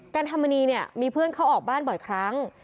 กันธรรมนีเนี่ยมีเพื่อนเขาออกบ้านบ่อยครั้ง